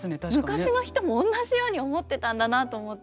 昔の人もおんなじように思ってたんだなと思って。